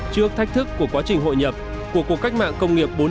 trước thách thức của quá trình hội nhập của cuộc cách mạng công nghiệp bốn